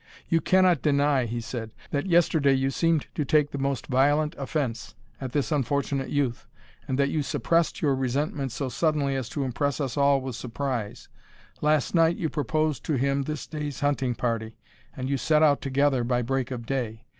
"You cannot deny," he said, "that yesterday you seemed to take the most violent offence at this unfortunate youth; and that you suppressed your resentment so suddenly as to impress us all with surprise. Last night you proposed to him this day's hunting party, and you set out together by break of day.